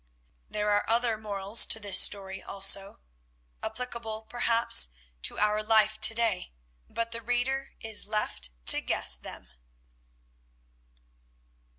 There are other morals to this story also, applicable, perhaps, to our life to day, but the reader is left to guess them.